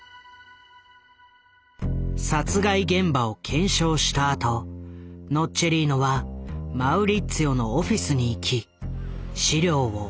殺害現場を検証したあとノッチェリーノはマウリッツィオのオフィスに行き資料を押収。